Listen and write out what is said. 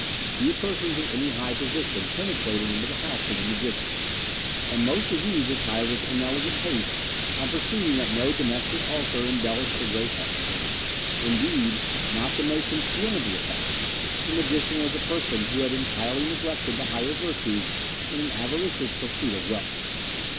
Few persons of any high position penetrated into the house of the magician, and most of these retired with inelegant haste on perceiving that no domestic altar embellished the great hall. Indeed, not to make concealment of the fact, the magician was a person who had entirely neglected the higher virtues in an avaricious pursuit of wealth.